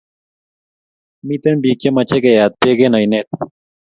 Miten pik che mache keyat peek en oinet